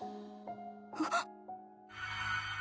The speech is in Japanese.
あっ。